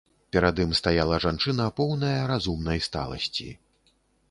Перад ім стаяла жанчына, поўная разумнай сталасці.